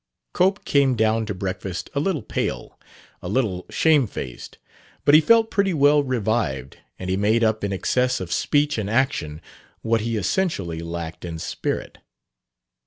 Cope came down to breakfast a little pale, a little shamefaced; but he felt pretty well revived and he made up in excess of speech and action what he essentially lacked in spirit.